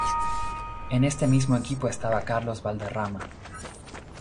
En este mismo equipo estaba Carlos Valderrama.